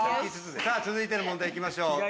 続いての問題行きましょう。